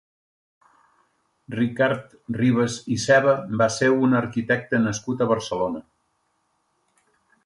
Ricard Ribas i Seva va ser un arquitecte nascut a Barcelona.